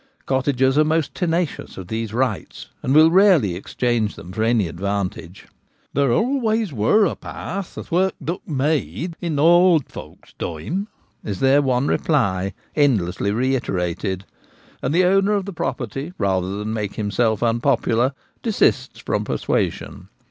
Cottagers are most tenacious of these 'rights,' and will rarely exchange them for any advantage. 'There always wur a path athwert thuck mead in the ould volk's time * is their one reply endlessly reiterated ; and the owner of the property, rather than make himself un popular, desists from persuasion.